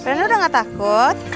rena udah gak takut